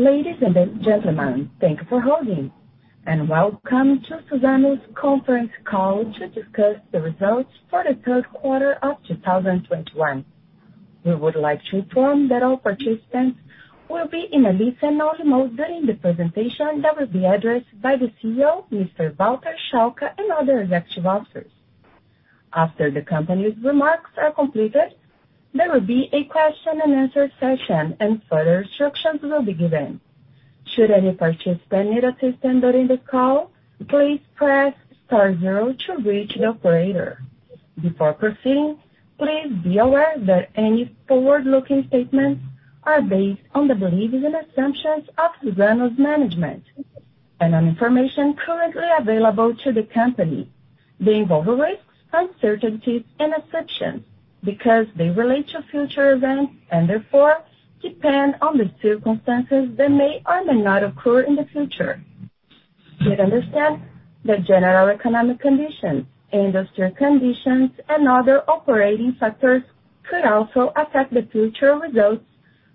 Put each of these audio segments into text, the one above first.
Ladies and gentlemen, thanks for holding. Welcome to Suzano's conference call to discuss the results for the third quarter of 2021. We would like to inform that all participants will be in a listen-only mode during the presentation that will be addressed by the CEO, Mr. Walter Schalka, and other executive officers. After the company's remarks are completed, there will be a question and answer session, and further instructions will be given. Should any participant need assistance during the call, please press star zero to reach the operator. Before proceeding, please be aware that any forward-looking statements are based on the beliefs and assumptions of Suzano's management, and on information currently available to the company. They involve risks, uncertainties, and assumptions because they relate to future events and therefore, depend on the circumstances that may or may not occur in the future. should understand the general economic conditions, industry conditions, and other operating factors could also affect the future results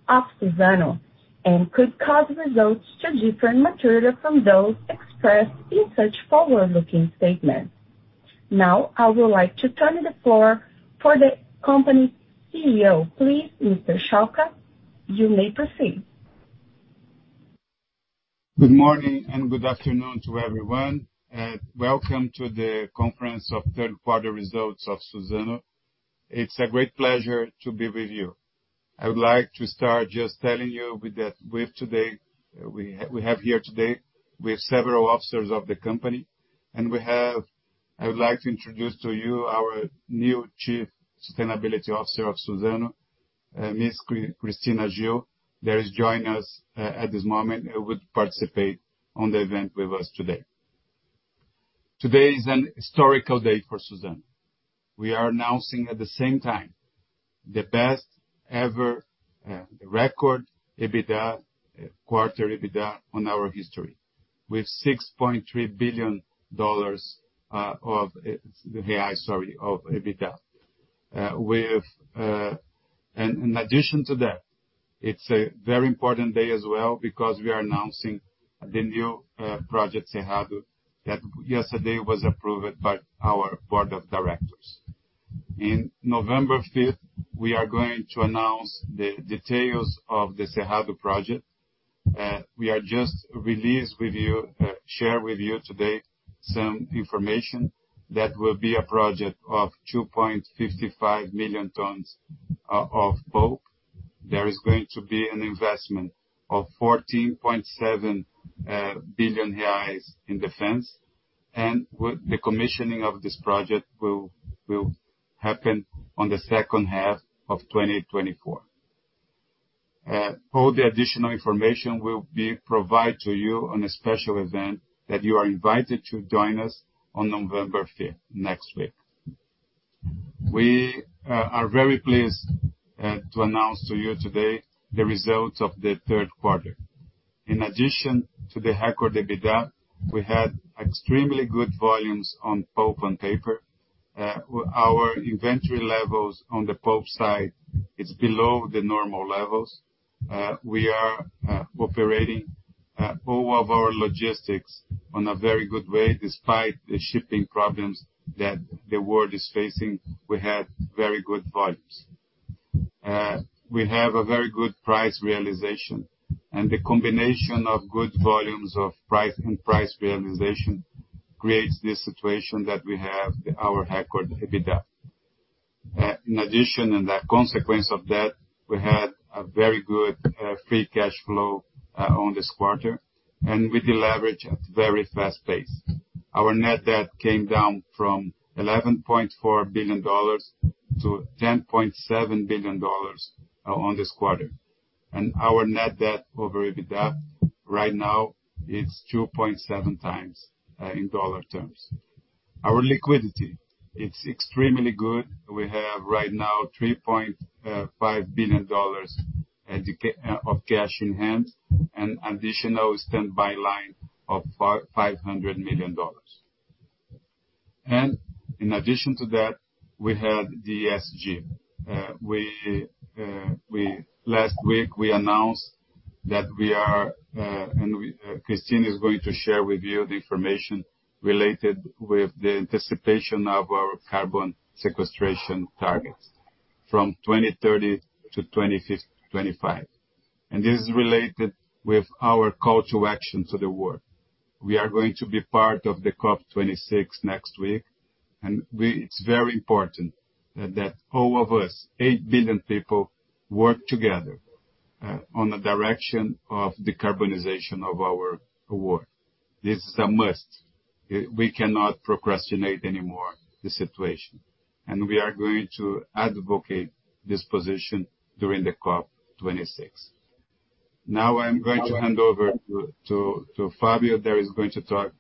of Suzano, and could cause results to differ materially from those expressed in such forward-looking statements. Now, I would like to turn the floor over to the Company CEO. Please, Mr. Schalka, you may proceed. Good morning and good afternoon to everyone. Welcome to the conference of third quarter results of Suzano. It's a great pleasure to be with you. I would like to start just telling you that today we have several officers of the company, and we have. I would like to introduce to you our new Chief Sustainability Officer of Suzano, Ms. Cristina Gil, that is joining us at this moment, would participate on the event with us today. Today is an historical day for Suzano. We are announcing at the same time, the best ever record EBITDA quarter EBITDA in our history. With 6.3 billion reais, sorry, of EBITDA. With. In addition to that, it's a very important day as well because we are announcing the new project, Cerrado, that yesterday was approved by our board of directors. On November 5th, we are going to announce the details of the Cerrado project. We are sharing with you today some information that the project will be of 2.55 million tons of pulp. There is going to be an investment of 14.7 billion reais in the end. The commissioning of this project will happen in the second half of 2024. All the additional information will be provided to you on a special event that you are invited to join us on November 5th, next week. We are very pleased to announce to you today the results of the third quarter. In addition to the record EBITDA, we had extremely good volumes on pulp and paper. Our inventory levels on the pulp side is below the normal levels. We are operating all of our logistics in a very good way despite the shipping problems that the world is facing. We have very good volumes. We have a very good price realization. The combination of good volumes and price, and price realization creates this situation that we have our record EBITDA. In addition, the consequence of that, we had a very good free cash flow in this quarter. We deleverage at very fast pace. Our net debt came down from $11.4 billion to $10.7 billion in this quarter. Our net debt over EBITDA right now is 2.7x, in dollar terms. Our liquidity, it's extremely good. We have right now $3.5 billion of cash in hand and additional standby line of $500 million. In addition to that, we have the ESG. We, last week, we announced that we are, and Cristina is going to share with you the information related with the anticipation of our carbon sequestration targets from 2030 to 2025. This is related with our call to action to the world. We are going to be part of the COP26 next week, and it's very important that all of us, 8 billion people, work together, on the direction of decarbonization of our world. This is a must. We cannot procrastinate anymore the situation. We are going to advocate this position during the COP26. Now I'm going to hand over to Fabio that is going to talk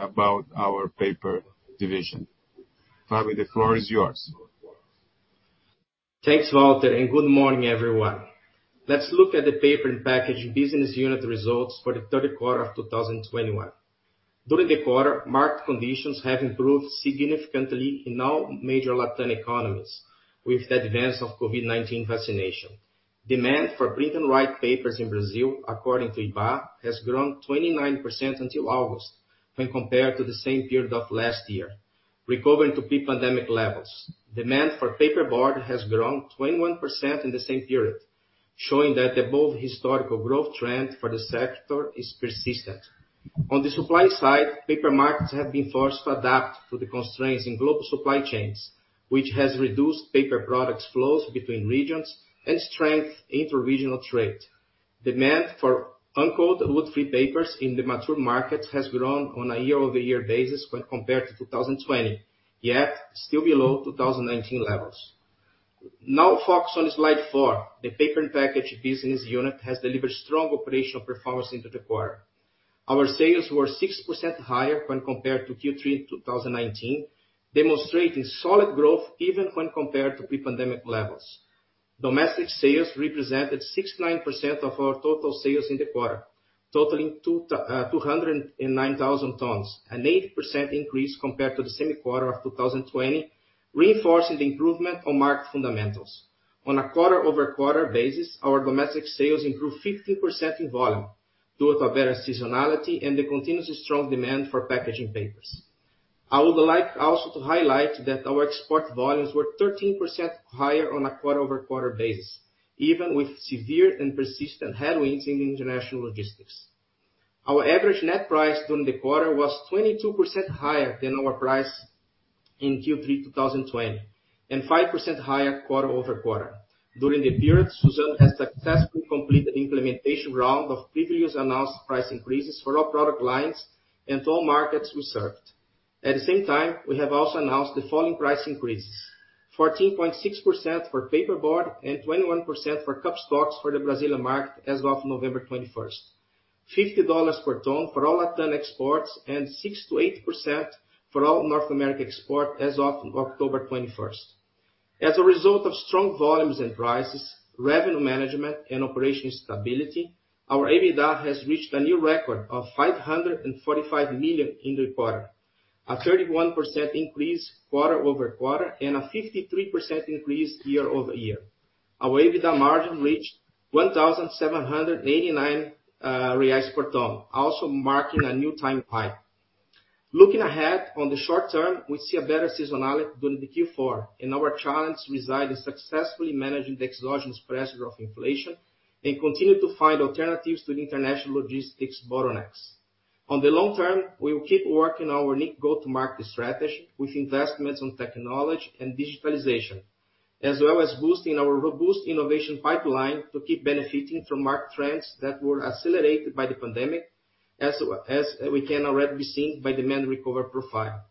about our paper division. Fabio, the floor is yours. Thanks, Walter, and good morning, everyone. Let's look at the paper and packaging business unit results for the third quarter of 2021. During the quarter, market conditions have improved significantly in all major Latin economies with the advance of COVID-19 vaccination. Demand for print and write papers in Brazil, according to Ibá, has grown 29% until August when compared to the same period of last year, recovering to pre-pandemic levels. Demand for paperboard has grown 21% in the same period, showing that above historical growth trend for the sector is persistent. On the supply side, paper markets have been forced to adapt to the constraints in global supply chains, which has reduced paper products flows between regions and strengthened inter-regional trade. Demand for uncoated wood-free papers in the mature markets has grown on a year-over-year basis when compared to 2020, yet still below 2019 levels. Now focus on slide four. The Paper and Packaging business unit has delivered strong operational performance in the quarter. Our sales were 6% higher when compared to Q3 2019, demonstrating solid growth even when compared to pre-pandemic levels. Domestic sales represented 69% of our total sales in the quarter, totaling 209,000 tons, an 8% increase compared to the same quarter of 2020, reinforcing the improvement in market fundamentals. On a quarter-over-quarter basis, our domestic sales improved 15% in volume, due to a better seasonality and the continuous strong demand for packaging papers. I would like also to highlight that our export volumes were 13% higher on a quarter-over-quarter basis, even with severe and persistent headwinds in international logistics. Our average net price during the quarter was 22% higher than our price in Q3 2020, and 5% higher quarter-over-quarter. During the period, Suzano has successfully completed the implementation round of previously announced price increases for all product lines and to all markets we served. At the same time, we have also announced the following price increases: 14.6% for paperboard and 21% for cupstocks for the Brazilian market as of November 21st. $50 per ton for all Latin exports and 6%-8% for all North American export as of October 21st. As a result of strong volumes and prices, revenue management and operational stability, our EBITDA has reached a new record of 545 million in the quarter, a 31% increase quarter-over-quarter and a 53% increase year-over-year. Our EBITDA margin reached 1,789 reais per ton, also marking a new all-time high. Looking ahead, in the short term, we see a better seasonality during the Q4, and our challenge reside in successfully managing the exogenous pressure of inflation and continue to find alternatives to the international logistics bottlenecks. In the long term, we will keep working our unique go-to-market strategy with investments on technology and digitalization, as well as boosting our robust innovation pipeline to keep benefiting from market trends that were accelerated by the pandemic, as we can already see in the demand recovery profile.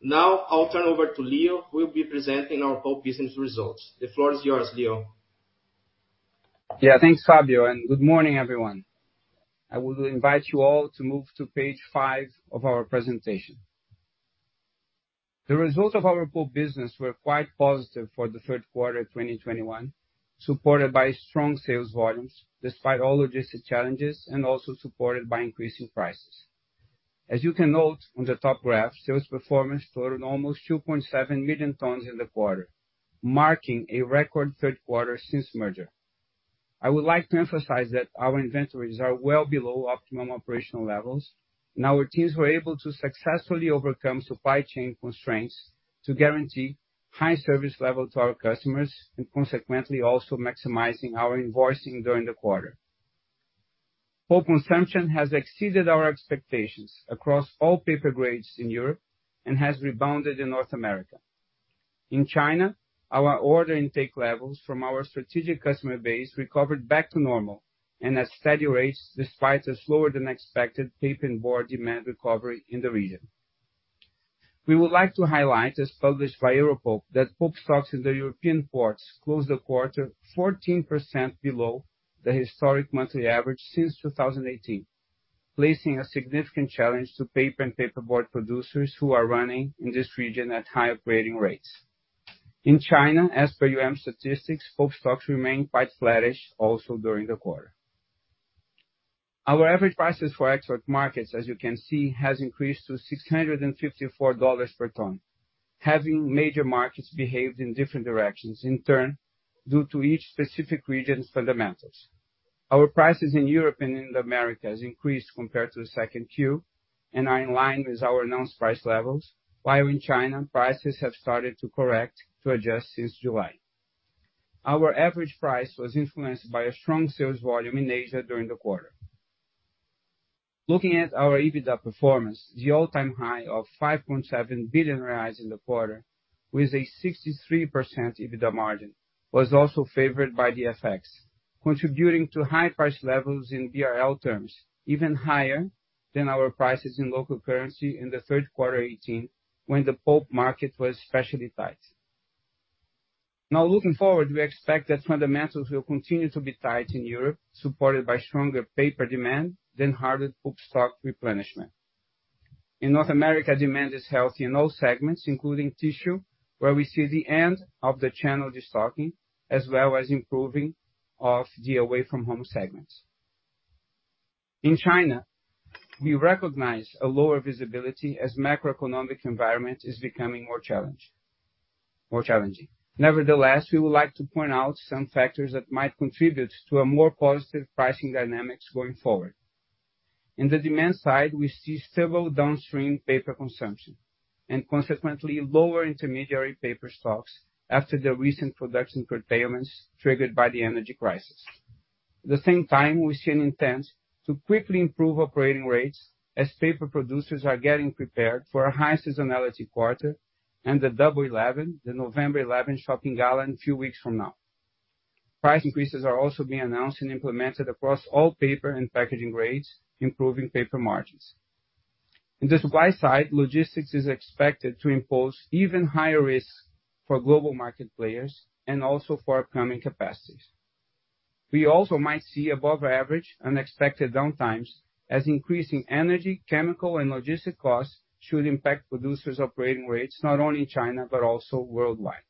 Now, I'll turn over to Leo, who will be presenting our pulp business results. The floor is yours, Leo. Yeah. Thanks, Fabio, and good morning, everyone. I will invite you all to move to page five of our presentation. The results of our pulp business were quite positive for the third quarter of 2021, supported by strong sales volumes, despite all logistic challenges, and also supported by increasing prices. As you can note on the top graph, sales performance totaled almost 2.7 million tons in the quarter, marking a record third quarter since merger. I would like to emphasize that our inventories are well below optimum operational levels, and our teams were able to successfully overcome supply chain constraints to guarantee high service level to our customers, and consequently, also maximizing our invoicing during the quarter. Pulp consumption has exceeded our expectations across all paper grades in Europe and has rebounded in North America. In China, our order intake levels from our strategic customer base recovered back to normal and at steady rates, despite a slower than expected paper and board demand recovery in the region. We would like to highlight, as published by Europulp, that pulp stocks in the European ports closed the quarter 14% below the historic monthly average since 2018, placing a significant challenge to paper and paper board producers who are running in this region at high operating rates. In China, as per UM statistics, pulp stocks remained quite flattish also during the quarter. Our average prices for export markets, as you can see, has increased to $654 per ton, having major markets behaved in different directions, in turn, due to each specific region's fundamentals. Our prices in Europe and in the Americas increased compared to Q2 and are in line with our announced price levels, while in China, prices have started to correct to adjust since July. Our average price was influenced by a strong sales volume in Asia during the quarter. Looking at our EBITDA performance, the all-time high of 5.7 billion reais in the quarter, with a 63% EBITDA margin, was also favored by the FX, contributing to high price levels in BRL terms, even higher than our prices in local currency in Q3 2018, when the pulp market was especially tight. Now looking forward, we expect that fundamentals will continue to be tight in Europe, supported by stronger paper demand and lower pulp stock replenishment. In North America, demand is healthy in all segments, including tissue, where we see the end of the channel destocking, as well as improving. Of the away-from-home segment. In China, we recognize a lower visibility as the macroeconomic environment is becoming more challenging. Nevertheless, we would like to point out some factors that might contribute to a more positive pricing dynamics going forward. In the demand side, we see stable downstream paper consumption, and consequently lower intermediary paper stocks after the recent production curtailments triggered by the energy crisis. At the same time, we see an intent to quickly improve operating rates as paper producers are getting prepared for a high seasonality quarter and the Double 11, the November 11 shopping gala in few weeks from now. Price increases are also being announced and implemented across all paper and packaging grades, improving paper margins. In the supply side, logistics is expected to impose even higher risks for global market players and also for upcoming capacities. We also might see above average unexpected downtimes as increasing energy, chemical and logistic costs should impact producers' operating rates, not only in China, but also worldwide.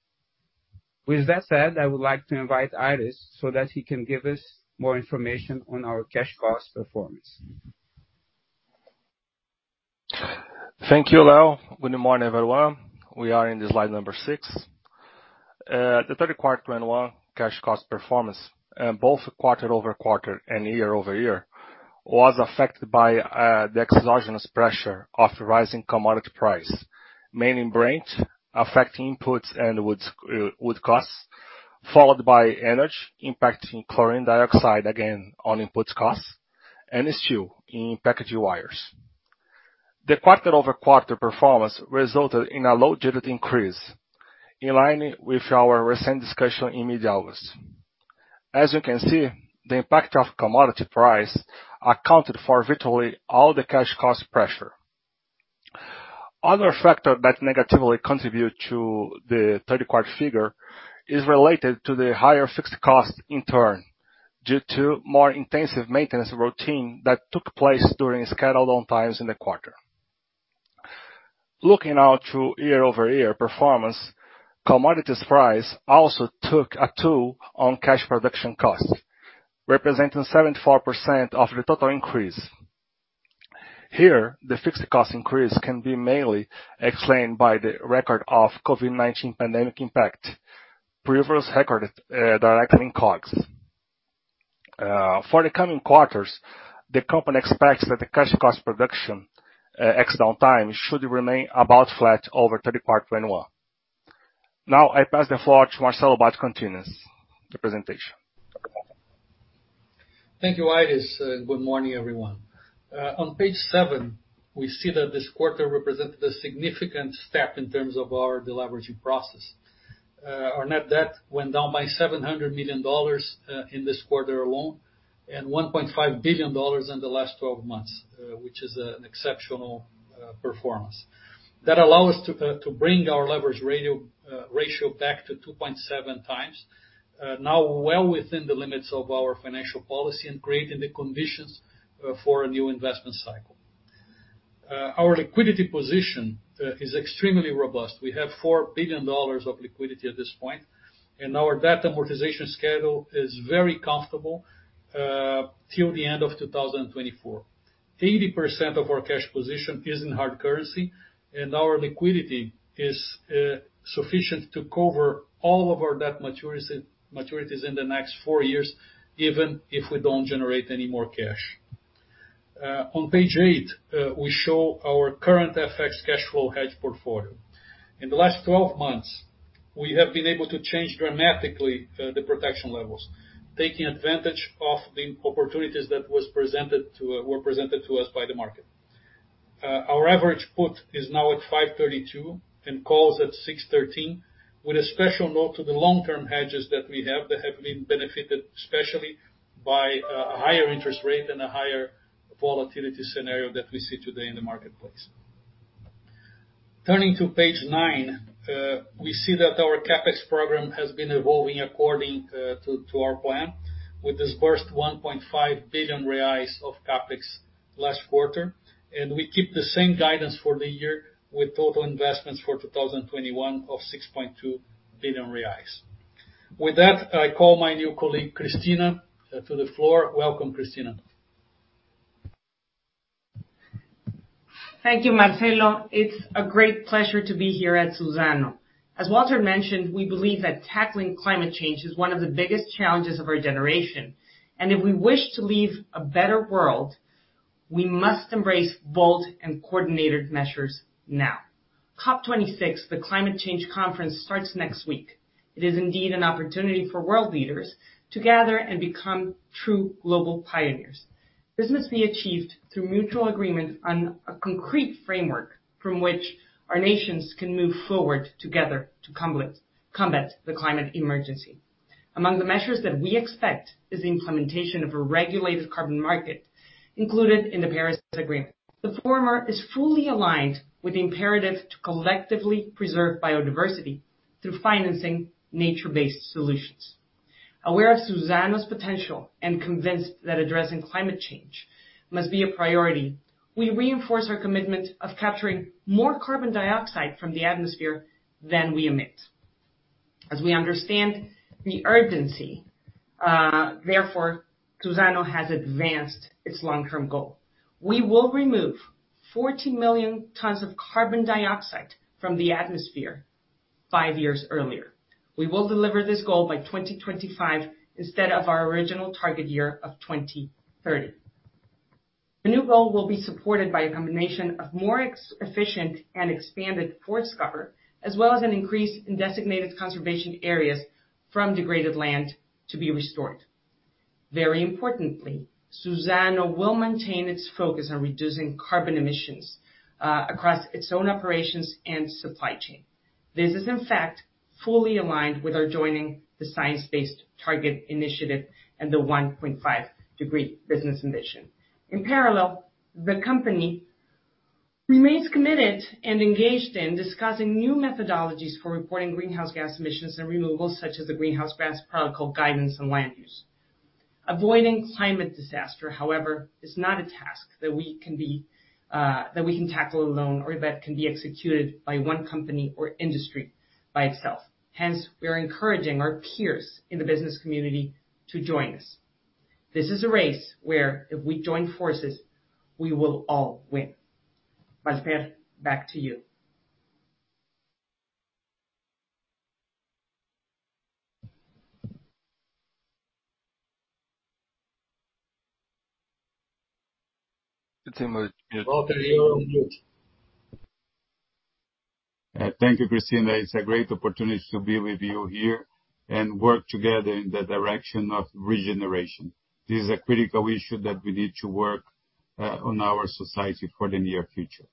With that said, I would like to invite Aires so that he can give us more information on our cash cost performance. Thank you, Leo. Good morning, everyone. We are in the slide number six. The third quarter 2021 cash cost performance, both quarter-over-quarter and year-over-year was affected by the exogenous pressure of rising commodity price, mainly bleach, affecting inputs and wood costs, followed by energy impacting chlorine dioxide, again on input costs, and steel in packaging wires. The quarter-over-quarter performance resulted in a low single-digit increase, in line with our recent discussion in mid-August. As you can see, the impact of commodity price accounted for virtually all the cash cost pressure. Other factor that negatively contribute to the third quarter figure is related to the higher fixed cost in turn, due to more intensive maintenance routine that took place during scheduled downtimes in the quarter. Looking now to year-over-year performance, commodity prices also took a toll on cash production costs, representing 74% of the total increase. Here, the fixed cost increase can be mainly explained by the record COVID-19 pandemic impact previously recorded directly in costs. For the coming quarters, the company expects that the cash production cost ex downtime should remain about flat over third quarter 2021. Now I pass the floor to Marcelo Bacci to continue the presentation. Thank you, Aires, and good morning, everyone. On page seven, we see that this quarter represented a significant step in terms of our deleveraging process. Our net debt went down by $700 million in this quarter alone, and $1.5 billion in the last 12 months, which is an exceptional performance. That allow us to bring our leverage ratio back to 2.7x, now well within the limits of our financial policy and creating the conditions for a new investment cycle. Our liquidity position is extremely robust. We have $4 billion of liquidity at this point, and our debt amortization schedule is very comfortable till the end of 2024. 80% of our cash position is in hard currency, and our liquidity is sufficient to cover all of our debt maturities in the next four-years, even if we don't generate any more cash. On page eight, we show our current FX cash flow hedge portfolio. In the last 12 months, we have been able to change dramatically the protection levels, taking advantage of the opportunities that were presented to us by the market. Our average put is now at 5.32 and calls at 6.13, with a special note to the long-term hedges that we have that have been benefited, especially by a higher interest rate and a higher volatility scenario that we see today in the marketplace. Turning to page nine, we see that our CapEx program has been evolving according to our plan. We disbursed 1.5 billion reais of CapEx last quarter, and we keep the same guidance for the year with total investments for 2021 of 6.2 billion reais. With that, I call my new colleague, Cristina, to the floor. Welcome, Cristina. Thank you, Marcelo. It's a great pleasure to be here at Suzano. As Walter mentioned, we believe that tackling climate change is one of the biggest challenges of our generation. If we wish to leave a better world, we must embrace bold and coordinated measures now. COP26, the Climate Change Conference, starts next week. It is indeed an opportunity for world leaders to gather and become true global pioneers. This must be achieved through mutual agreement on a concrete framework from which our nations can move forward together to combat the climate emergency. Among the measures that we expect is the implementation of a regulated carbon market included in the Paris Agreement. The former is fully aligned with the imperative to collectively preserve biodiversity through financing nature-based solutions. Aware of Suzano's potential and convinced that addressing climate change must be a priority. We reinforce our commitment of capturing more carbon dioxide from the atmosphere than we emit. As we understand the urgency, therefore, Suzano has advanced its long-term goal. We will remove 40 million tons of carbon dioxide from the atmosphere five years earlier. We will deliver this goal by 2025 instead of our original target year of 2030. The new goal will be supported by a combination of more efficient and expanded forest cover, as well as an increase in designated conservation areas from degraded land to be restored. Very importantly, Suzano will maintain its focus on reducing carbon emissions across its own operations and supply chain. This is in fact fully aligned with our joining the Science Based Targets initiative and the 1.5-degree business ambition. In parallel, the company remains committed and engaged in discussing new methodologies for reporting greenhouse gas emissions and removals such as the Greenhouse Gas Protocol guidance and land use. Avoiding climate disaster, however, is not a task that we can tackle alone, or that can be executed by one company or industry by itself. Hence, we are encouraging our peers in the business community to join us. This is a race where if we join forces, we will all win. Walter, back to you. Thank you, Cristina. It's a great opportunity to be with you here and work together in the direction of regeneration. This is a critical issue that we need to work on our society for the near future.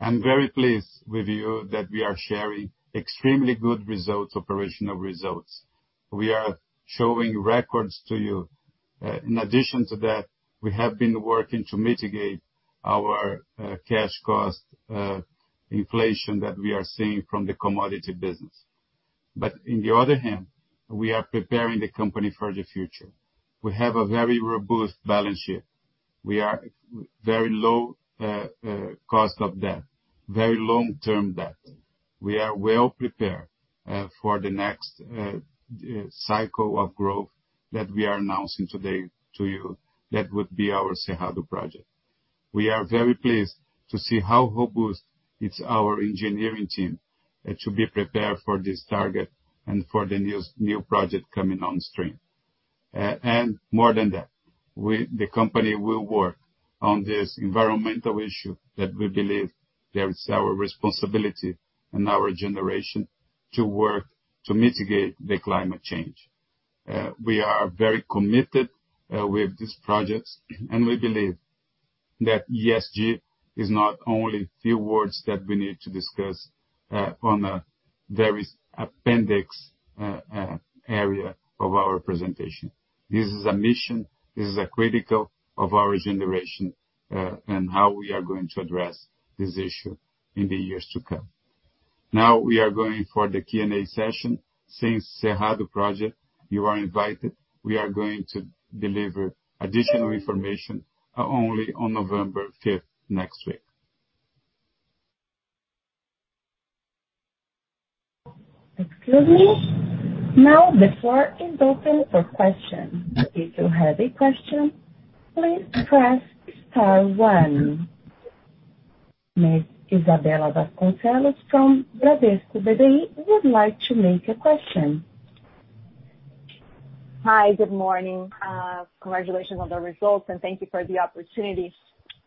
I'm very pleased with you that we are sharing extremely good results, operational results. We are showing records to you. In addition to that, we have been working to mitigate our cash cost inflation that we are seeing from the commodity business. In the other hand, we are preparing the company for the future. We have a very robust balance sheet. We are very low cost of debt, very long-term debt. We are well prepared for the next cycle of growth that we are announcing today to you. That would be our Cerrado project. We are very pleased to see how robust is our engineering team, to be prepared for this target and for the new project coming on stream. More than that, the company will work on this environmental issue that we believe that is our responsibility and our generation to work to mitigate the climate change. We are very committed, with these projects, and we believe that ESG is not only few words that we need to discuss, on a very appendix area of our presentation. This is a mission, this is a critical of our generation, and how we are going to address this issue in the years to come. Now we are going for the Q&A session. Since Cerrado project, you are invited. We are going to deliver additional information, only on November 5th, next week. Excuse me. Now the floor is open for questions. If you have a question, please press star one. Miss Isabella Vasconcelos from Bradesco BBI would like to make a question. Hi, good morning. Congratulations on the results, and thank you for the opportunity.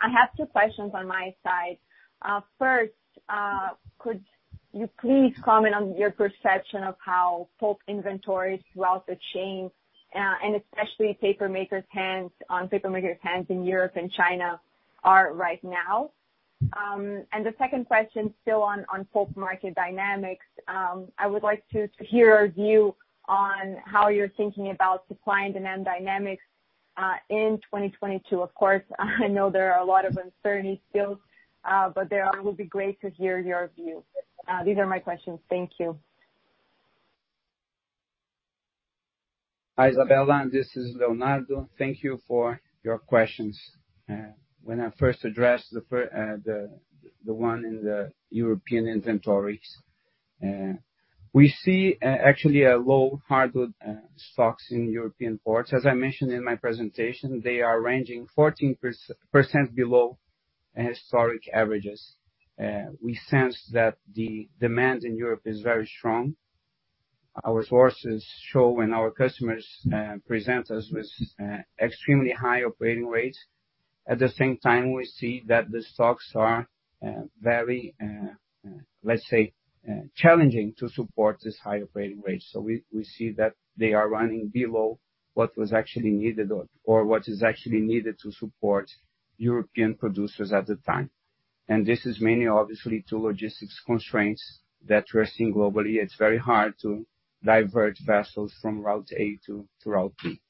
I have two questions on my side. First, could you please comment on your perception of how pulp inventories throughout the chain, and especially paper makers' hands in Europe and China are right now? The second question still on pulp market dynamics. I would like to hear your view on how you're thinking about supply and demand dynamics in 2022. Of course, I know there are a lot of uncertainty still, but that would be great to hear your view. These are my questions. Thank you. Hi, Isabella, this is Leonardo. Thank you for your questions. When I first addressed the one in the European inventories, we see actually low hardwood stocks in European ports. As I mentioned in my presentation, they are ranging 14% below historic averages. We sense that the demand in Europe is very strong. Our sources show that our customers present us with extremely high operating rates. At the same time, we see that the stocks are very, let's say, challenging to support this high operating rates. We see that they are running below what was actually needed or what is actually needed to support European producers at the time. This is mainly obviously due to logistics constraints that we're seeing globally. It's very hard to divert vessels from route A to route B.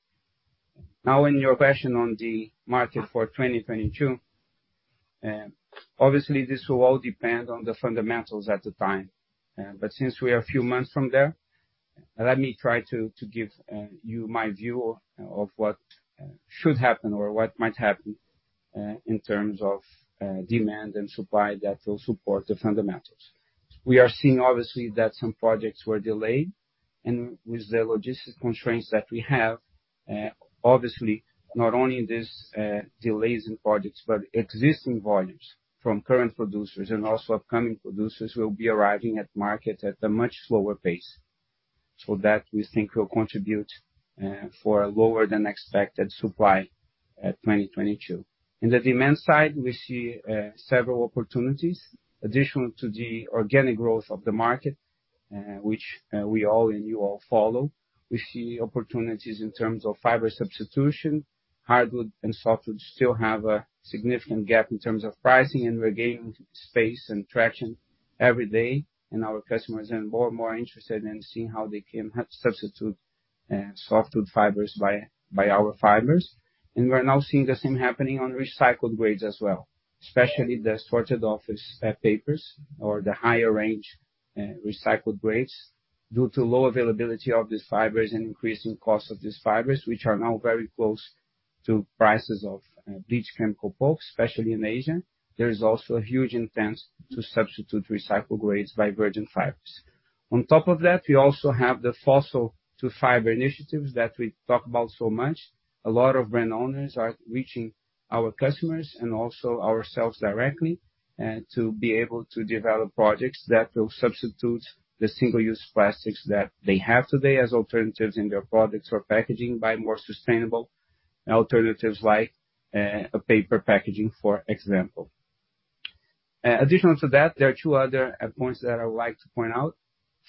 Now in your question on the market for 2022, obviously this will all depend on the fundamentals at the time. Since we are a few months from there. Let me try to give you my view of what should happen or what might happen in terms of demand and supply that will support the fundamentals. We are seeing obviously that some projects were delayed, and with the logistics constraints that we have, obviously not only these delays in projects, but existing volumes from current producers and also upcoming producers will be arriving at market at a much slower pace. That we think will contribute for a lower than expected supply at 2022. In the demand side, we see several opportunities additional to the organic growth of the market, which we all and you all follow. We see opportunities in terms of fiber substitution. Hardwood and softwood still have a significant gap in terms of pricing, and we're gaining space and traction every day, and our customers are more and more interested in seeing how they can substitute softwood fibers by our fibers. We're now seeing the same happening on recycled grades as well, especially the sorted office papers or the higher range recycled grades due to low availability of these fibers and increasing cost of these fibers, which are now very close to prices of bleached chemical pulp, especially in Asia. There is also a huge intent to substitute recycled grades by virgin fibers. On top of that, we also have the fossil to fiber initiatives that we talk about so much. A lot of brand owners are reaching our customers and also ourselves directly to be able to develop projects that will substitute the single-use plastics that they have today as alternatives in their products or packaging by more sustainable alternatives like a paper packaging, for example. Additional to that, there are two other points that I would like to point out.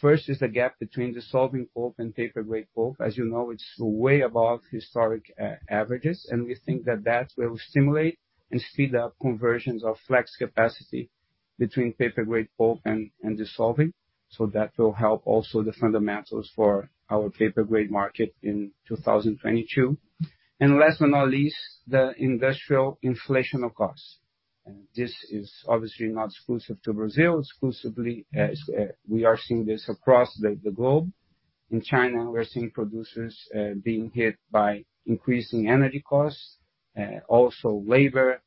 First is the gap between dissolving pulp and paper grade pulp. As you know, it's way above historic averages, and we think that that will stimulate and speed up conversions of flex capacity between paper grade pulp and dissolving. So that will help also the fundamentals for our paper grade market in 2022. Last but not least, the industrial inflation of costs. This is obviously not exclusive to Brazil. Exclusively, as we are seeing this across the globe. In China, we're seeing producers being hit by increasing energy costs, also labor,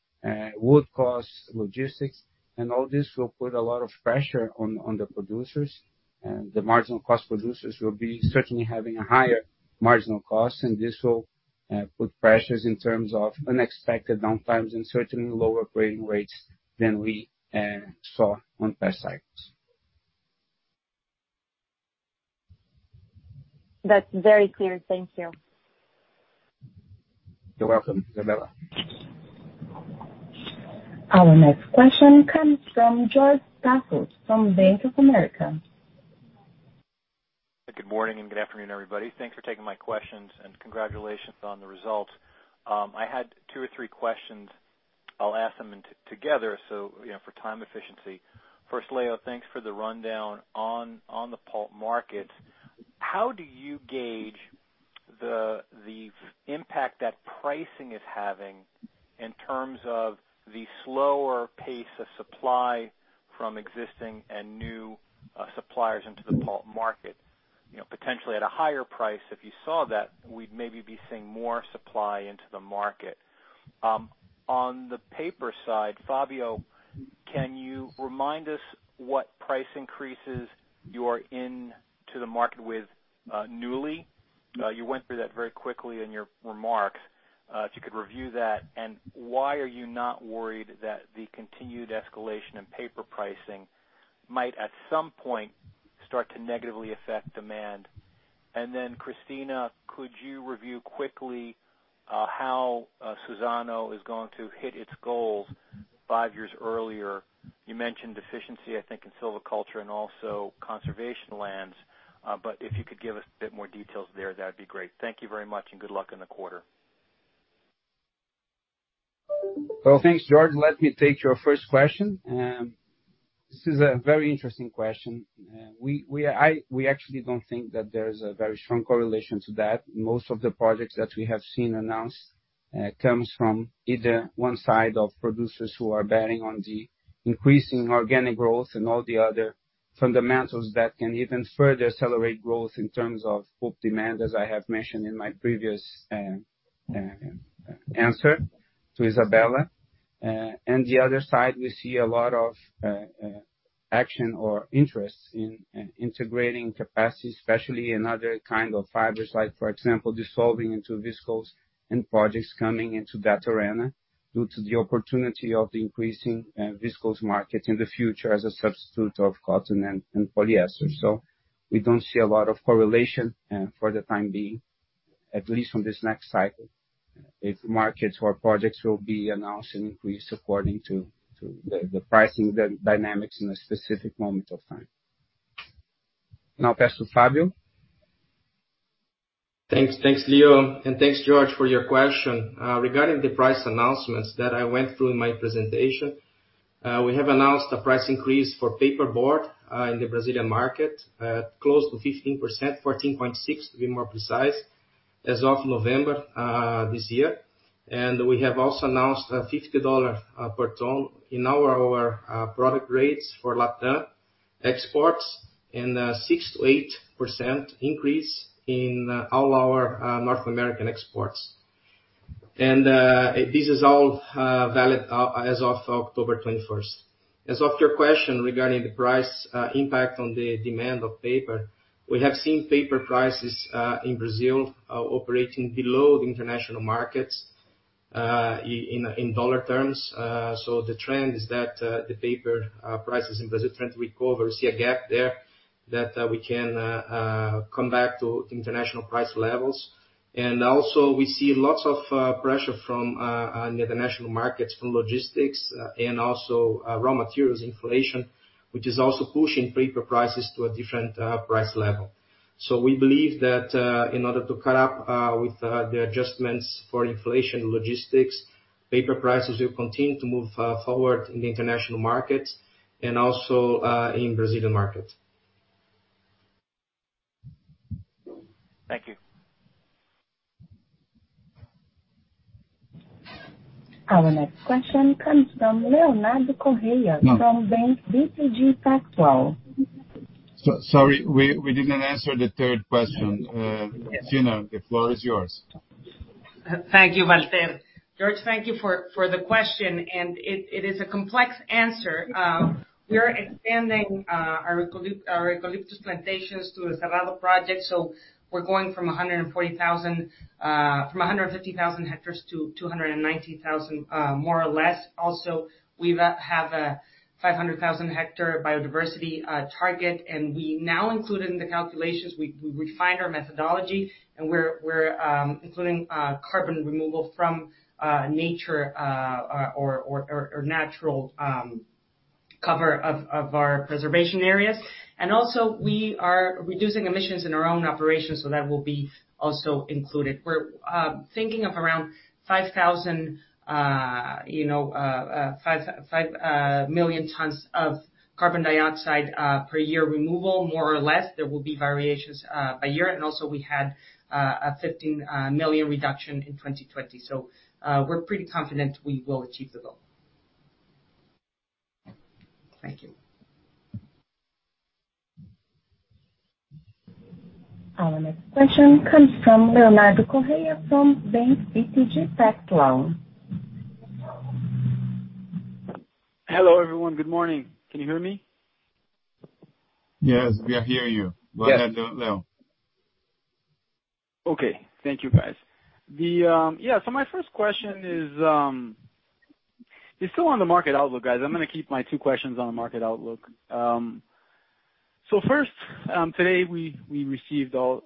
wood costs, logistics, and all this will put a lot of pressure on the producers. The marginal cost producers will be certainly having a higher marginal cost, and this will put pressures in terms of unexpected downtimes and certainly lower grading rates than we saw on past cycles. That's very clear. Thank you. You're welcome, Isabella. Our next question comes from George Staphos from Bank of America. Good morning and good afternoon, everybody. Thanks for taking my questions and congratulations on the results. I had two or three questions. I'll ask them together, so, you know, for time efficiency. First, Leo, thanks for the rundown on the pulp markets. How do you gauge the impact that pricing is having in terms of the slower pace of supply from existing and new suppliers into the pulp market? You know, potentially at a higher price, if you saw that, we'd maybe be seeing more supply into the market. On the paper side, Fabio, can you remind us what price increases you are in to the market with newly? You went through that very quickly in your remarks. If you could review that, and why are you not worried that the continued escalation in paper pricing might at some point start to negatively affect demand? Cristina, could you review quickly how Suzano is going to hit its goals five years earlier? You mentioned efficiency, I think, in silviculture and also conservation lands. If you could give us a bit more details there, that'd be great. Thank you very much and good luck in the quarter. Well, thanks, George. Let me take your first question. This is a very interesting question. We actually don't think that there is a very strong correlation to that. Most of the projects that we have seen announced comes from either one side of producers who are betting on the increasing organic growth and all the other fundamentals that can even further accelerate growth in terms of pulp demand, as I have mentioned in my previous answer to Isabella, and the other side, we see a lot of action or interest in integrating capacity, especially in other kind of fibers like, for example, dissolving into viscose and projects coming into that arena due to the opportunity of the increasing viscose market in the future as a substitute of cotton and polyester. We don't see a lot of correlation for the time being, at least from this next cycle. If markets or projects will be announced and increased according to the pricing dynamics in a specific moment of time. Now pass to Fabio. Thanks. Thanks, Leo, and thanks George for your question. Regarding the price announcements that I went through in my presentation, we have announced a price increase for paperboard in the Brazilian market at close to 15%, 14.6% to be more precise. As of November this year. We have also announced a $50 per ton in all our product rates for Latam exports and a 6%-8% increase in all our North American exports. This is all valid as of October 21. As to your question regarding the price impact on the demand for paper, we have seen paper prices in Brazil operating below the international markets in dollar terms. So the trend is that the paper prices in Brazil tend to recover. see a gap there that we can come back to international price levels. We see lots of pressure from the national markets from logistics and also raw materials inflation, which is also pushing paper prices to a different price level. We believe that in order to catch up with the adjustments for inflation logistics, paper prices will continue to move forward in the international markets and also in Brazilian markets. Thank you. Our next question comes from Leonardo Correa from BTG Pactual. Sorry, we didn't answer the third question. Tina, the floor is yours. Thank you, Walter. George, thank you for the question, and it is a complex answer. We are expanding our eucalyptus plantations through a Cerrado project. We're going from 150,000 hectares to 290,000, more or less. Also, we have a 500,000 hectare biodiversity target, and we now include it in the calculations. We refined our methodology, and we're including carbon removal from nature or natural cover of our preservation areas. We are reducing emissions in our own operations, so that will be also included. We're thinking of around 5 million tons of carbon dioxide per year removal, more or less. There will be variations by year. Also we had a 15 million reduction in 2020. We're pretty confident we will achieve the goal. Thank you. Our next question comes from Leonardo Correa from BTG Pactual. Hello, everyone. Good morning. Can you hear me? Yes, we are hearing you. Yes. Leonardo, Leo. Okay. Thank you, guys. Yeah. My first question is still on the market outlook, guys. I'm gonna keep my two questions on the market outlook. First, today,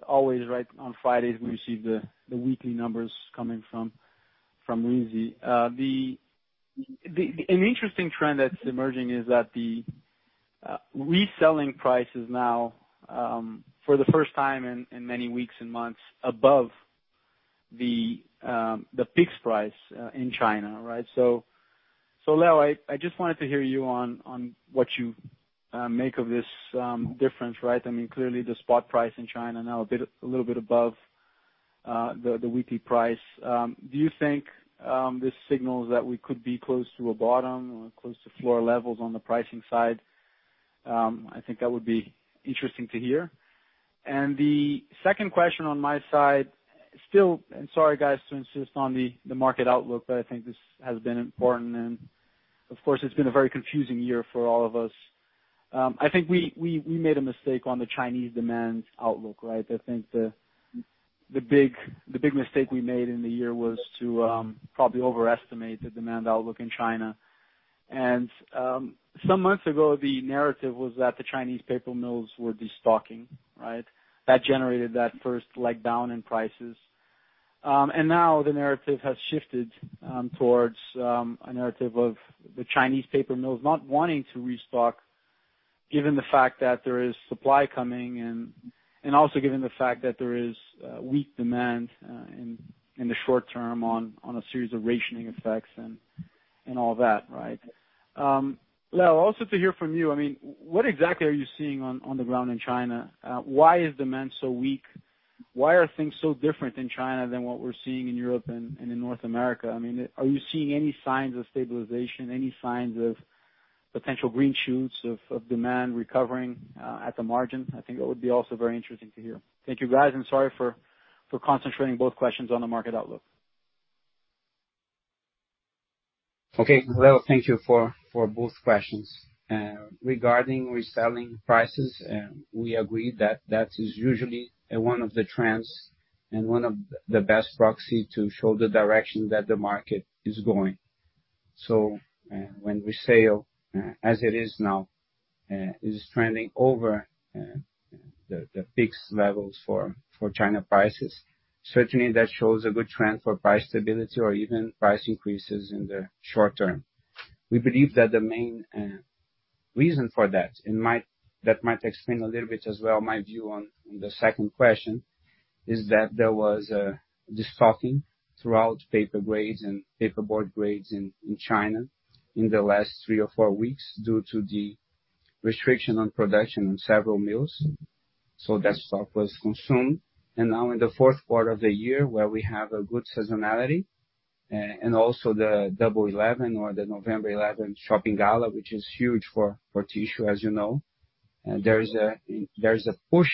always right on Fridays, we receive the weekly numbers coming from RISI. An interesting trend that's emerging is that the reselling price is now for the first time in many weeks and months above the fixed price in China, right? Leo, I just wanted to hear you on what you make of this difference, right? I mean, clearly the spot price in China now a little bit above the weekly price. Do you think this signals that we could be close to a bottom or close to floor levels on the pricing side? I think that would be interesting to hear. The second question on my side still, sorry guys, to insist on the market outlook, but I think this has been important and of course it's been a very confusing year for all of us. I think we made a mistake on the Chinese demand outlook, right? I think the big mistake we made in the year was to probably overestimate the demand outlook in China. Some months ago, the narrative was that the Chinese paper mills were destocking, right? That generated that first leg down in prices. Now the narrative has shifted towards a narrative of the Chinese paper mills not wanting to restock given the fact that there is supply coming and also given the fact that there is weak demand in the short term on a series of rationing effects and all that, right? Leo, also to hear from you, I mean, what exactly are you seeing on the ground in China? Why is demand so weak? Why are things so different in China than what we're seeing in Europe and in North America? I mean, are you seeing any signs of stabilization, any signs of potential green shoots of demand recovering at the margin? I think that would be also very interesting to hear. Thank you, guys, and sorry for concentrating both questions on the market outlook. Okay. Leo, thank you for both questions. Regarding reselling prices, we agree that is usually one of the trends and one of the best proxy to show the direction that the market is going. When we sell as it is now is trending over the fixed levels for China prices. Certainly, that shows a good trend for price stability or even price increases in the short term. We believe that the main reason for that might explain a little bit as well my view on the second question, is that there was destocking throughout paper grades and paperboard grades in China in the last three or four weeks due to the Restriction on production in several mills, so that stock was consumed. Now in the fourth quarter of the year, where we have a good seasonality, and also the Double 11 or the November 11 shopping gala, which is huge for tissue, as you know. There is a push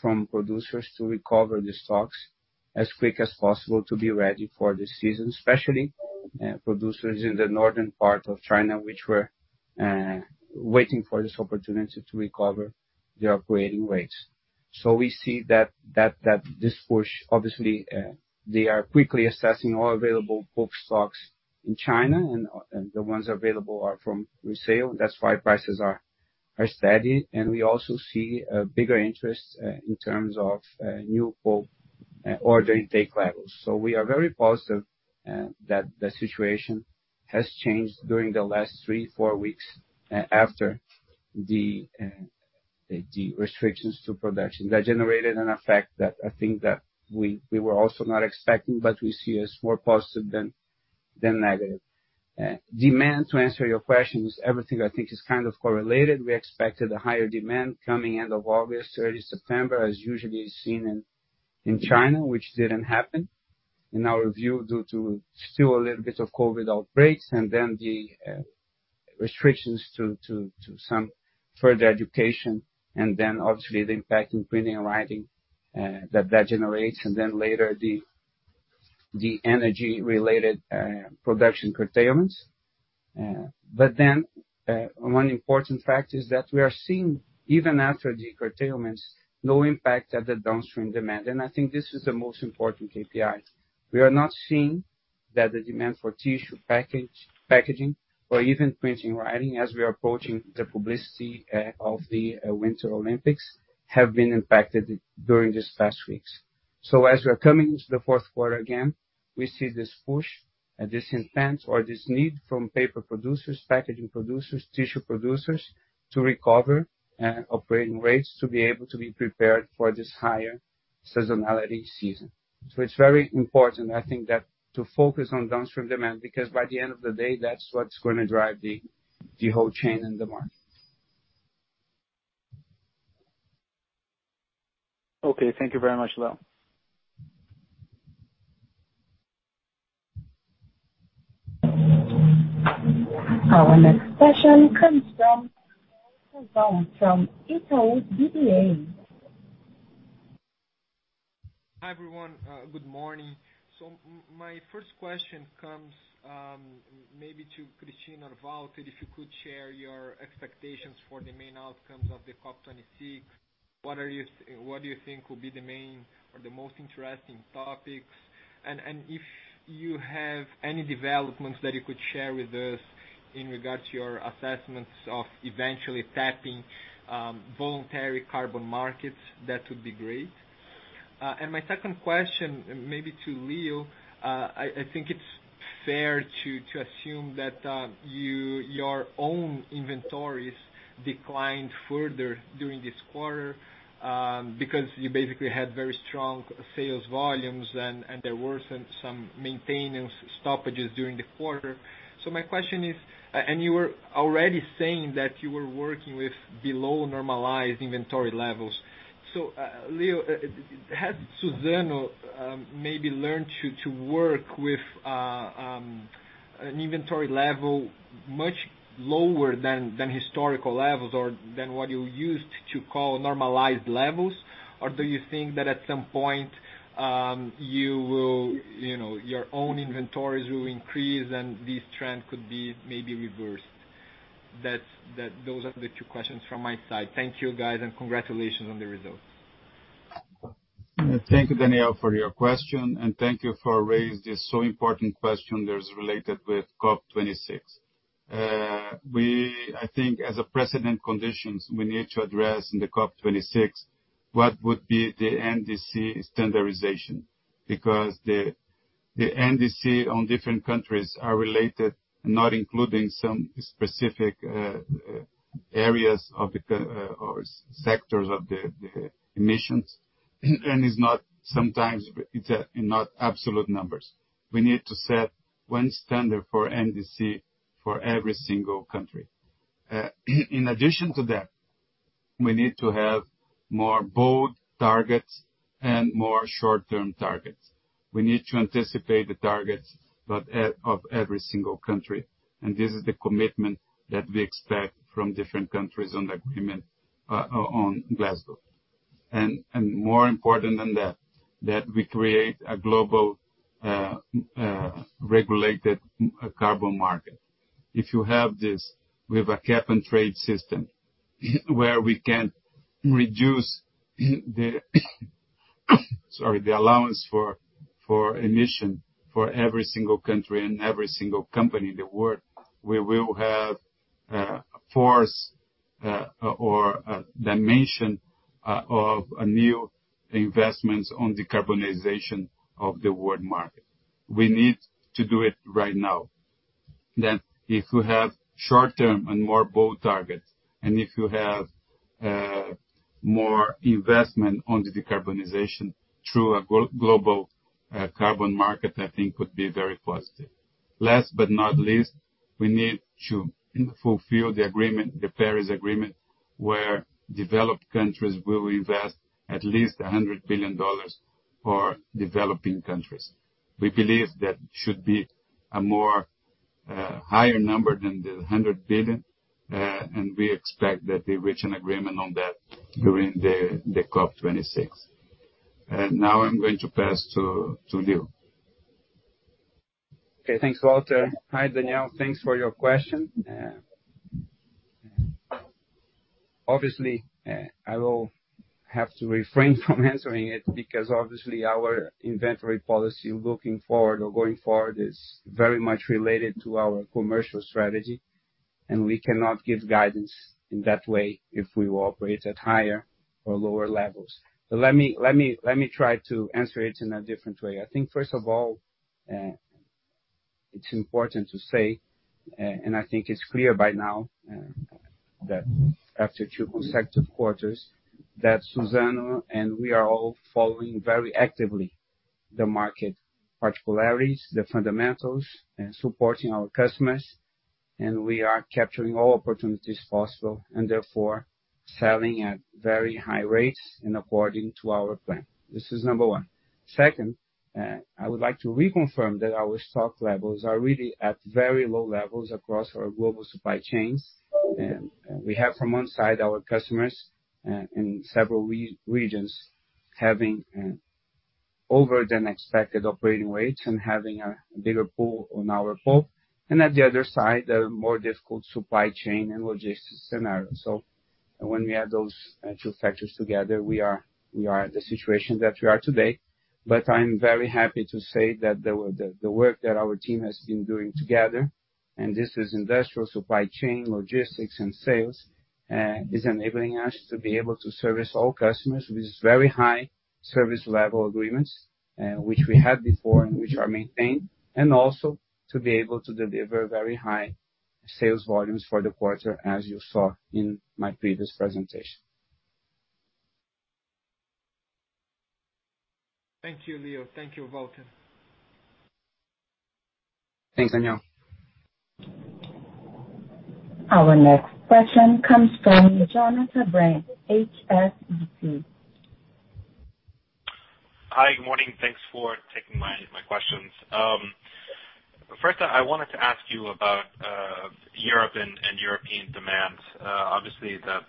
from producers to recover the stocks as quick as possible to be ready for the season, especially producers in the northern part of China, which were waiting for this opportunity to recover their operating rates. We see that this push, obviously, they are quickly assessing all available pulp stocks in China, and the ones available are from resale. That's why prices are steady. We also see a bigger interest in terms of new pulp order intake levels. We are very positive that the situation has changed during the last three, four weeks, after the restrictions to production. That generated an effect that I think we were also not expecting, but we see as more positive than negative. Demand, to answer your question, is everything that I think is kind of correlated. We expected a higher demand coming end of August, early September, as usually seen in China, which didn't happen. In our view, due to still a little bit of COVID outbreaks and then the restrictions to some further education, and then obviously the impact in printing and writing that generates, and then later the energy-related production curtailments. One important fact is that we are seeing, even after the curtailments, no impact at the downstream demand. I think this is the most important KPI. We are not seeing that the demand for tissue packaging or even printing and writing, as we are approaching the publicity of the Winter Olympics, have been impacted during these past weeks. As we are coming into the fourth quarter, again, we see this push, this intent or this need from paper producers, packaging producers, tissue producers to recover operating rates to be able to be prepared for this higher seasonality season. It's very important, I think, that to focus on downstream demand, because by the end of the day, that's what's gonna drive the whole chain in the market. Okay. Thank you very much, Leo. Our next question comes from Daniel Sasson from Itaú BBA. Hi, everyone. Good morning. My first question comes, maybe to Cristina or Walter, if you could share your expectations for the main outcomes of the COP26. What do you think will be the main or the most interesting topics? If you have any developments that you could share with us in regards to your assessments of eventually tapping voluntary carbon markets, that would be great. My second question, maybe to Leo, I think it's fair to assume that your own inventories declined further during this quarter, because you basically had very strong sales volumes and there were some maintenance stoppages during the quarter. My question is, and you were already saying that you were working with below normalized inventory levels. Leo, has Suzano maybe learned to work with an inventory level much lower than historical levels or than what you used to call normalized levels? Or do you think that at some point you will, you know, your own inventories will increase and this trend could be maybe reversed? Those are the two questions from my side. Thank you, guys, and congratulations on the results. Thank you, Daniel, for your question, and thank you for raising this so important question that is related with COP26. I think as a precedent conditions, we need to address in the COP26 what would be the NDC standardization. Because the NDC on different countries are related, not including some specific areas of the economy or sectors of the emissions, and sometimes it is not absolute numbers. We need to set one standard for NDC for every single country. In addition to that, we need to have more bold targets and more short-term targets. We need to anticipate the targets of every single country, and this is the commitment that we expect from different countries on the agreement on Glasgow. More important than that we create a global regulated carbon market. If you have this, we have a cap and trade system where we can reduce the allowance for emission for every single country and every single company in the world, we will have a force or a dimension of new investments on decarbonization of the world market. We need to do it right now. If you have short-term and more bold targets, and if you have more investment on the decarbonization through a global carbon market I think could be very positive. Last but not least, we need to fulfill the agreement, the Paris Agreement, where developed countries will invest at least $100 billion for developing countries. We believe that should be a more higher number than the $100 billion. We expect that they reach an agreement on that during the COP26. Now I'm going to pass to Leo. Okay, thanks, Walter Schalka. Hi, Daniel, thanks for your question. Obviously, I will have to refrain from answering it because obviously our inventory policy looking forward or going forward is very much related to our commercial strategy, and we cannot give guidance in that way if we operate at higher or lower levels. Let me try to answer it in a different way. I think first of all, it's important to say, and I think it's clear by now, that after two consecutive quarters that Suzano, and we are all following very actively the market particularities, the fundamentals and supporting our customers, and we are capturing all opportunities possible, and therefore, selling at very high rates and according to our plan. This is number one. Second, I would like to reconfirm that our stock levels are really at very low levels across our global supply chains. We have from one side, our customers, in several regions having over the expected operating rates and having a bigger pull on our pulp. At the other side, the more difficult supply chain and logistics scenario. When we add those two factors together, we are at the situation that we are today. I'm very happy to say that the work that our team has been doing together, and this is industrial supply chain, logistics and sales, is enabling us to be able to service all customers with very high service level agreements, which we had before and which are maintained, and also to be able to deliver very high sales volumes for the quarter, as you saw in my previous presentation. Thank you, Leo. Thank you, Walter. Thanks, Daniel. Our next question comes from Jonathan Brandt, HSBC. Hi, good morning. Thanks for taking my questions. First, I wanted to ask you about Europe and European demand. Obviously the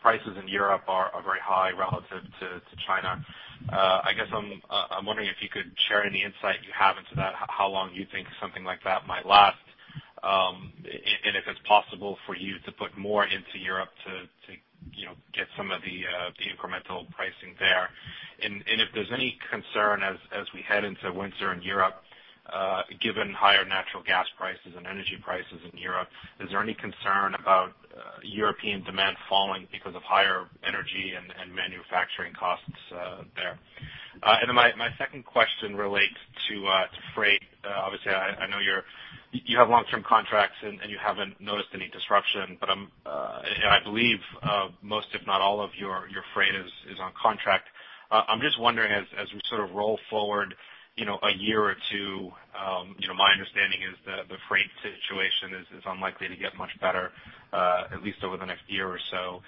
prices in Europe are very high relative to China. I guess I'm wondering if you could share any insight you have into that, how long you think something like that might last, and if it's possible for you to put more into Europe to, you know, get some of the incremental pricing there. And if there's any concern as we head into winter in Europe, given higher natural gas prices and energy prices in Europe, is there any concern about European demand falling because of higher energy and manufacturing costs there? And my second question relates to freight. Obviously, I know you have long-term contracts and you haven't noticed any disruption. I believe most if not all of your freight is on contract. I'm just wondering, as we sort of roll forward, you know, a year or two, you know, my understanding is the freight situation is unlikely to get much better, at least over the next year or so.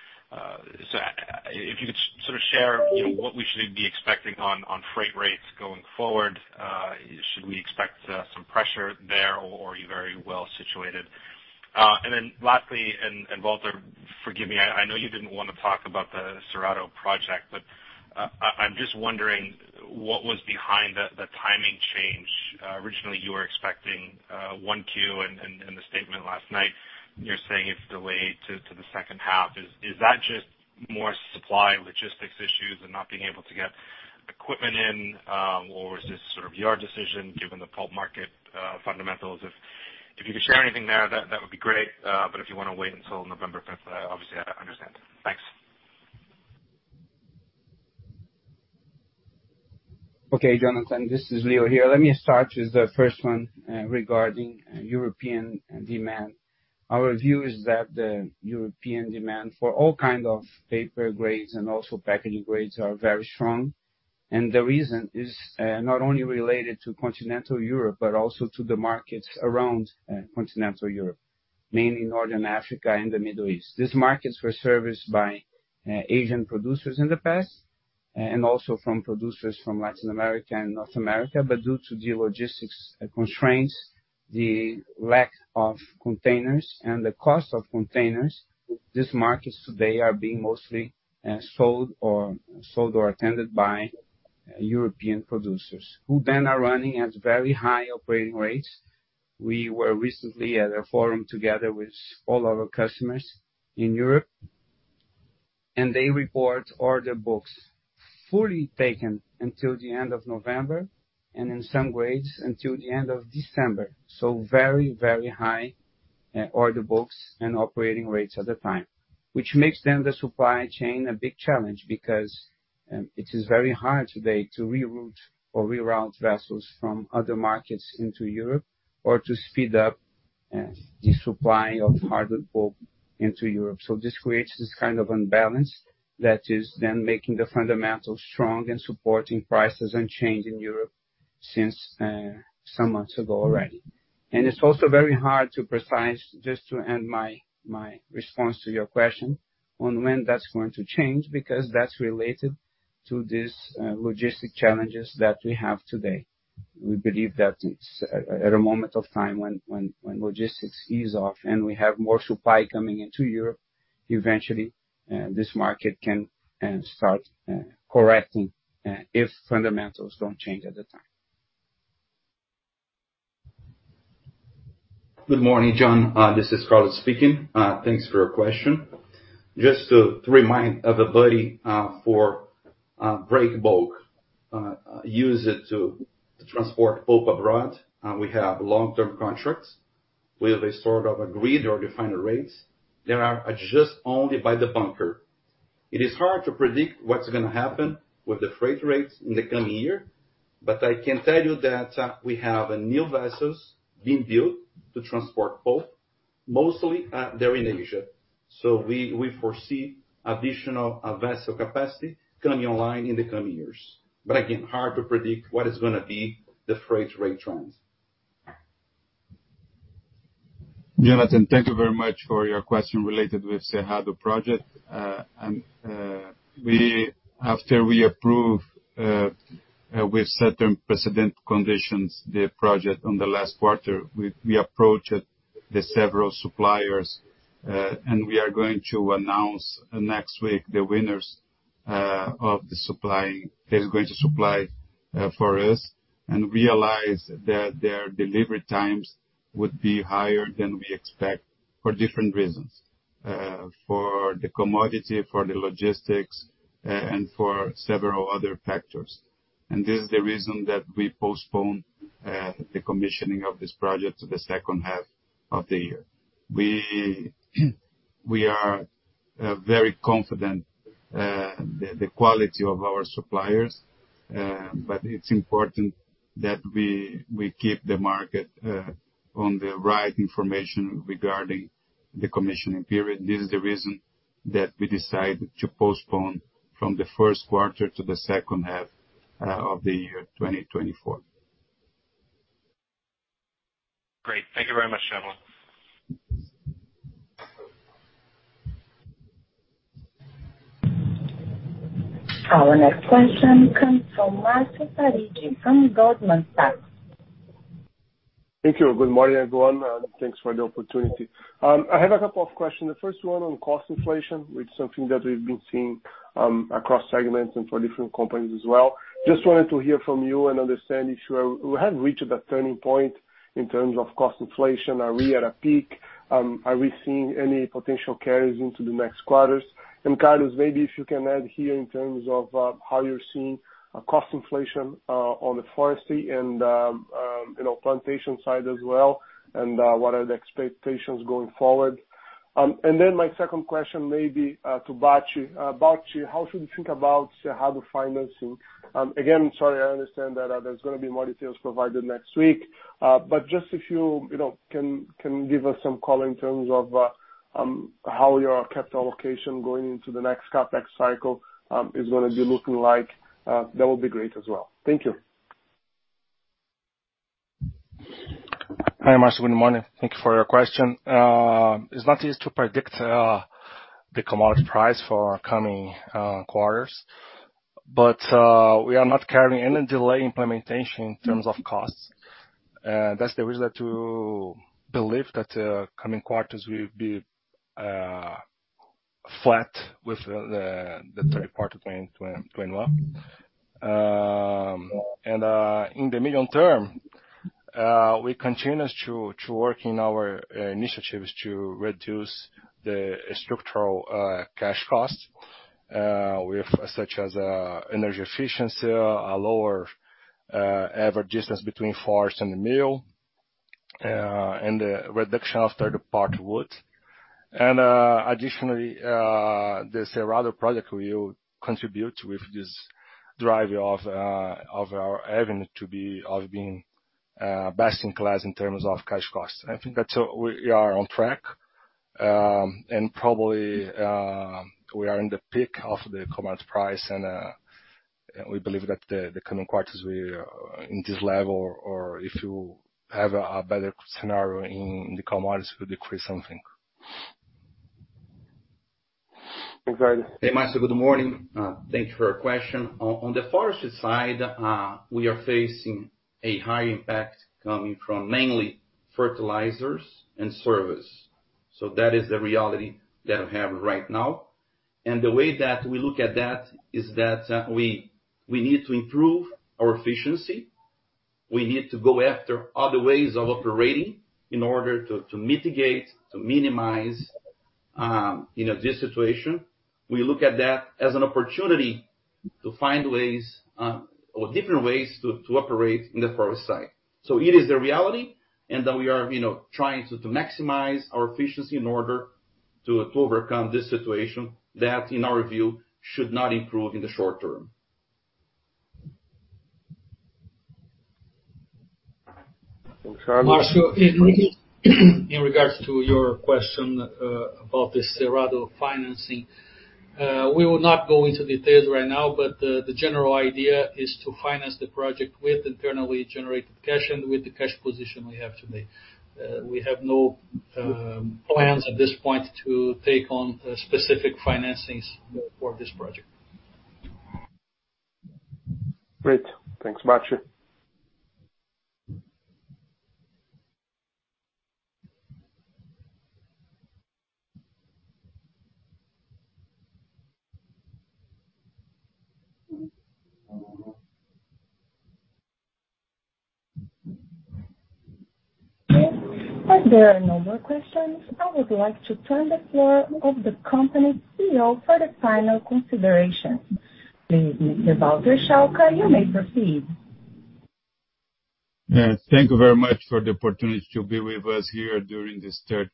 If you could sort of share, you know, what we should be expecting on freight rates going forward, should we expect some pressure there, or are you very well situated? Lastly, Walter, forgive me, I know you didn't wanna talk about the Cerrado project, but I'm just wondering what was behind the timing change. Originally, you were expecting 1Q, and in the statement last night, you're saying it's delayed to the second half. Is that just more supply logistics issues and not being able to get equipment in, or is this sort of your decision given the pulp market fundamentals? If you could share anything there, that would be great. But if you wanna wait until November 5th, obviously, I understand. Thanks. Okay, Jonathan. This is Leo here. Let me start with the first one, regarding European demand. Our view is that the European demand for all kind of paper grades and also packaging grades are very strong. The reason is not only related to Continental Europe, but also to the markets around Continental Europe, mainly North Africa and the Middle East. These markets were serviced by Asian producers in the past, and also from producers from Latin America and North America. Due to the logistics constraints, the lack of containers and the cost of containers, these markets today are being mostly sold or attended by European producers, who then are running at very high operating rates. We were recently at a forum together with all our customers in Europe, and they report order books fully taken until the end of November, and in some grades, until the end of December. Very, very high order books and operating rates at the time, which makes the supply chain a big challenge because it is very hard today to reroute vessels from other markets into Europe or to speed up- The supply of hardwood pulp into Europe. This creates this kind of imbalance that is then making the fundamentals strong and supporting prices unchanged in Europe since some months ago already. It's also very hard to precise, just to end my response to your question, on when that's going to change because that's related to these logistic challenges that we have today. We believe that it's at a moment of time when logistics ease off and we have more supply coming into Europe, eventually this market can start correcting if fundamentals don't change at the time. Good morning, John. This is Carlos speaking. Thanks for your question. Just to remind everybody, for break bulk use it to transport pulp abroad, we have long-term contracts where they sort of agreed or defined the rates. They are adjusted only by the bunker. It is hard to predict what's gonna happen with the freight rates in the coming year, but I can tell you that we have new vessels being built to transport pulp. Mostly, they're in Asia. We foresee additional vessel capacity coming online in the coming years. Again, hard to predict what is gonna be the freight rate trends. Jonathan, thank you very much for your question related with Cerrado project. After we approve with certain precedent conditions the project in the last quarter, we approached several suppliers, and we are going to announce next week the winners of the supplying. They are going to supply for us, and we realized that their delivery times would be higher than we expect for different reasons, for the commodity, for the logistics, and for several other factors. This is the reason that we postponed the commissioning of this project to the second half of the year. We are very confident in the quality of our suppliers, but it's important that we keep the market on the right information regarding the commissioning period. This is the reason that we decided to postpone from the first quarter to the second half of the year 2024. Great. Thank you very much, gentlemen. Our next question comes from Marcio Farid from Goldman Sachs. Thank you. Good morning, everyone, and thanks for the opportunity. I have a couple of questions. The first one on cost inflation, which is something that we've been seeing across segments and for different companies as well. Just wanted to hear from you and understand if we have reached that turning point in terms of cost inflation. Are we at a peak? Are we seeing any potential carries into the next quarters? Carlos, maybe if you can add here in terms of how you're seeing cost inflation on the forestry and, you know, plantation side as well, and what are the expectations going forward. Then my second question may be to Bacci. Bacci, how should we think about Cerrado financing? Again, sorry, I understand that there's gonna be more details provided next week. Just if you know, can give us some color in terms of how your capital allocation going into the next CapEx cycle is gonna be looking like, that would be great as well. Thank you. Hi, Marcio. Good morning. Thank you for your question. It's not easy to predict the commodity price for coming quarters. We are not carrying any delay implementation in terms of costs. That's the reason that we believe that coming quarters will be flat with the third quarter 2021. In the medium term, we continue to work in our initiatives to reduce the structural cash costs with such as energy efficiency, a lower average distance between forest and the mill and the reduction of third-party wood. Additionally, the Cerrado project will contribute with this drive of our avenue to being best in class in terms of cash costs. I think that's where we are on track, and probably we are in the peak of the commodity price and we believe that the coming quarters will in this level or if you have a better scenario in the commodities will decrease something. Thanks, Carlos. Hey, Marcio. Good morning. Thank you for your question. On the forestry side, we are facing a high impact coming from mainly fertilizers and service. That is the reality that we have right now. The way that we look at that is that, we need to improve our efficiency. We need to go after other ways of operating in order to mitigate, to minimize, you know, this situation. We look at that as an opportunity to find ways, or different ways to operate in the forest side. It is the reality, and then we are, you know, trying to maximize our efficiency in order to overcome this situation that, in our view, should not improve in the short term. Marcio, in regards to your question about the Cerrado financing, we will not go into details right now, but the general idea is to finance the project with internally generated cash and with the cash position we have today. We have no plans at this point to take on specific financings for this project. Great. Thanks, Bacci. As there are no more questions, I would like to turn the floor over to the company's CEO for the final consideration. Please, Mr. Walter Schalka, you may proceed. Thank you very much for the opportunity to be with us here during this third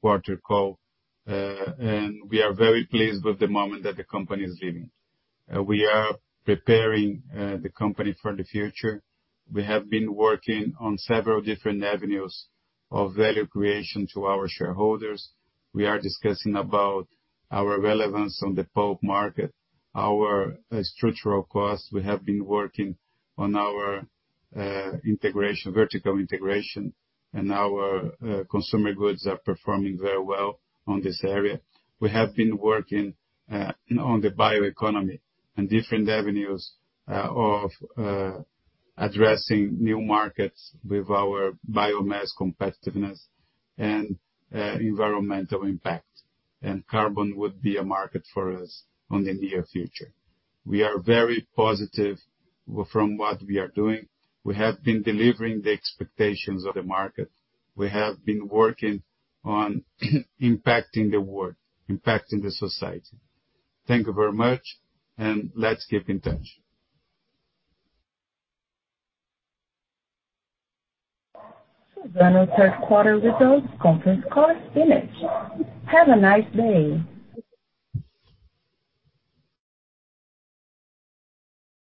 quarter call. We are very pleased with the moment that the company is living. We are preparing the company for the future. We have been working on several different avenues of value creation to our shareholders. We are discussing about our relevance on the pulp market, our structural costs. We have been working on our integration, vertical integration, and our consumer goods are performing very well on this area. We have been working on the bioeconomy and different avenues of addressing new markets with our biomass competitiveness and environmental impact. Carbon would be a market for us on the near future. We are very positive with what we are doing. We have been delivering the expectations of the market. We have been working on impacting the world, impacting the society. Thank you very much, and let's keep in touch. Suzano's Third Quarter Results Conference Call finished. Have a nice day.